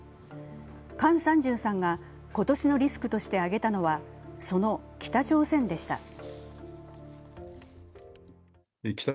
姜尚中さんが今年のリスクとして挙げたのは、その北朝鮮でした。